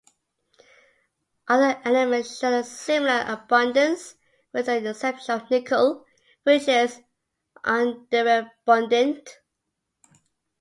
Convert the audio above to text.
Other elements show a similar abundance, with the exception of nickel which is underabundant.